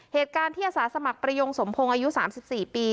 เหตุการณ์ที่อาสาสมัครประโยงสมพงศ์อายุสามสิบสี่ปี